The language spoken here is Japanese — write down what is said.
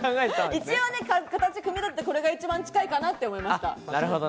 一応、形組み立てて、こちらが一番近いかなって思いました。